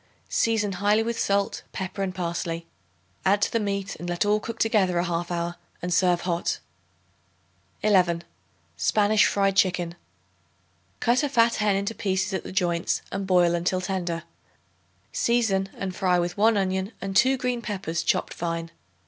Season highly with salt, pepper and parsley; add to the meat, and let all cook together a half hour and serve hot. 11. Spanish Fried Chicken. Cut a fat hen into pieces at the joints and boil until tender; season and fry with 1 onion and 2 green peppers chopped fine.